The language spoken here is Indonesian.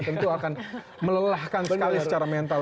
tentu akan melelahkan sekali secara mental